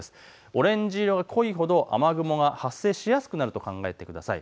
オレンジ色が濃いほど雨雲が発生しやすくなると考えてください。